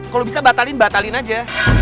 kalau bisa batalin batalin aja